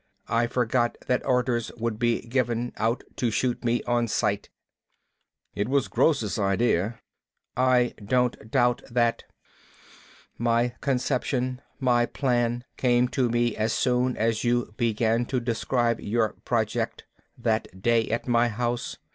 I forgot that orders would be given out to shoot me on sight." "It was Gross' idea." "I don't doubt that. My conception, my plan, came to me as soon as you began to describe your project, that day at my house.